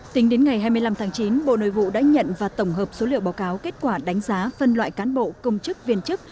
tính đến ngày hai mươi năm tháng chín bộ nội vụ đã nhận và tổng hợp số liệu báo cáo kết quả đánh giá phân loại cán bộ công chức viên chức